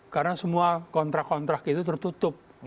karena semua kontrak kontrak itu tertutup